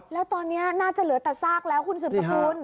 แล้วตอนนี้น่าจะเหลือแต่ซากแล้วคุณสืบสกุล